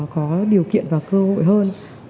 có điều kiện và cơ hội hơn